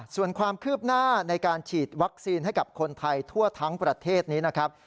ส่วนความคืบหน้าในการฉีดวัคซีนให้กับคนไทยทั่วทั้งประเทศนี้นะครับ